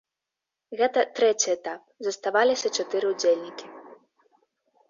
Гэта трэці этап, заставаліся чатыры удзельнікі.